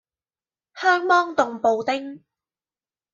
香芒凍布丁